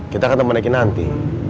kita akan temennya nanti